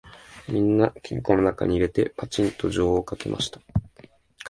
みんな金庫のなかに入れて、ぱちんと錠をかけました